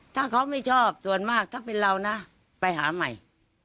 ถ้าเขาไม่ชอบส่วนมากถ้าเป็นเรานะไปหาใหม่